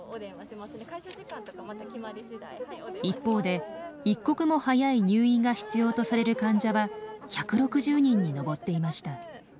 一方で一刻も早い入院が必要とされる患者は１６０人に上っていました。